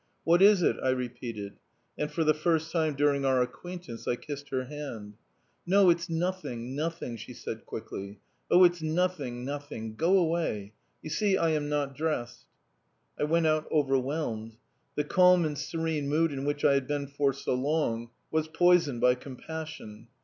"What is it?" I repeated, and for the first time during our acquaintance I kissed her hand. "No, it's nothing, nothing," she said quickly. "Oh, it's nothing, nothing. ... Go away. ... You see, I am not dressed." I went out overwhelmed. The calm and serene mood in which I had been for so long was poisoned by compassion.